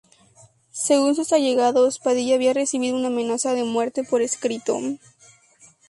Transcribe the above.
Según sus allegados, Padilla había recibido una amenaza de muerte por escrito.